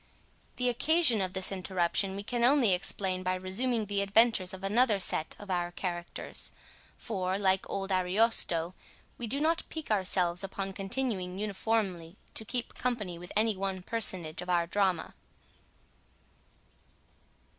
The occasion of this interruption we can only explain by resuming the adventures of another set of our characters; for, like old Ariosto, we do not pique ourselves upon continuing uniformly to keep company with any one personage of our drama.